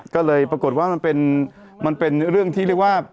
ก็เลยปรากฏว่ามันเป็นเรื่องที่เรียกว่า